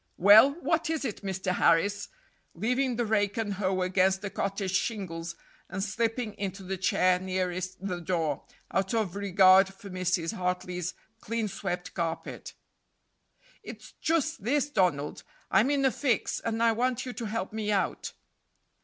"Well, what is it, Mr. Harris?" leaving rake and hoe against the cottage shingles and slipping into the chair nearest the door, out of regard for Mrs. Hartley's clean swept carpet. "It's just this, Donald. I'm in a fix, and I want you to help me out."